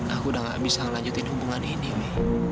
aku udah gak bisa melanjutin hubungan ini mi